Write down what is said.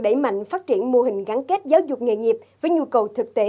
đẩy mạnh phát triển mô hình gắn kết giáo dục nghề nghiệp với nhu cầu thực tế